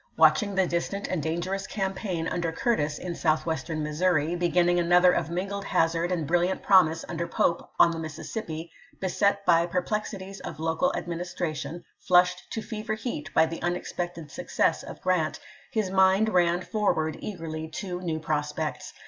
Watching the distant and dan gerous campaign under Curtis in Southwestern Missouri, beginning another of mingled hazard and brilliant promise under Pope on the Missis sippi, beset by perplexities of local administration, flushed to fever heat by the unexpected success of Grrant, his mind ran forward eagerly to new pros pects.